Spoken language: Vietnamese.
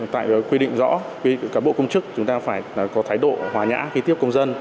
tại quy định rõ cán bộ công chức chúng ta phải có thái độ hòa nhã khi tiếp công dân